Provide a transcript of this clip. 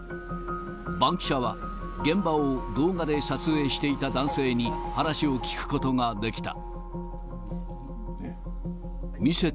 バンキシャは、現場を動画で撮影していた男性に話を聞くことができた。